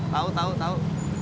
tau tau tau